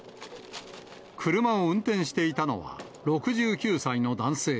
車を運転していたのは、６９歳の男性。